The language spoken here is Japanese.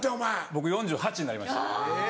僕４８になりました。